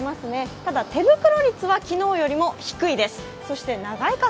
ただ、手袋率は昨日より低いです。